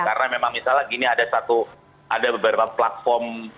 karena memang misalnya gini ada satu ada beberapa platform